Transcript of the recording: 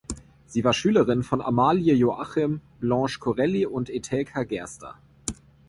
Sie war Schülerin von Amalie Joachim, Blanche Corelli und Etelka Gerster.